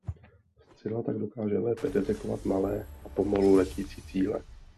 Střela tak dokáže lépe detekovat malé a pomalu letící cíle.